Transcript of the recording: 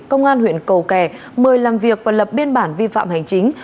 công an huyện cầu kè mời làm việc và lập biên bản vi phạm hành chính